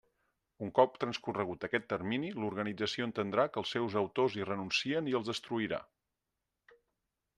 Un cop transcorregut aquest termini, l'organització entendrà que els seus autors hi renuncien i els destruirà.